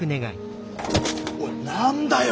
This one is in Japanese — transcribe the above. おい何だよ！